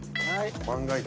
万が一。